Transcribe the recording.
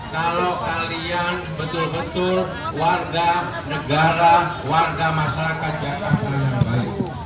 kalau kalian betul betul warga negara warga masyarakat jakarta yang baik